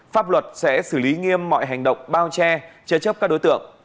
pháp luật sẽ xử lý nghiêm mọi hành động bao che chế chấp các đối tượng